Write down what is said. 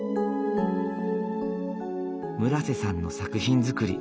村瀬さんの作品作り。